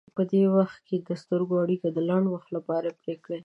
په دې وخت کې د سترګو اړیکه د لنډ وخت لپاره پرې کړئ.